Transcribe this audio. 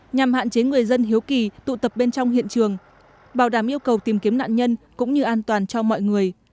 nhằm hạn chế người dân hiếu kỳ tụ tập bên trong hiện trường bảo đảm yêu cầu tìm kiếm nạn nhân cũng như an toàn cho mọi người